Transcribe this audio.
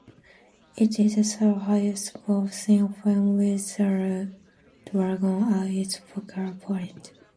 It is the third highest-grossing film with a dragon at its focal point.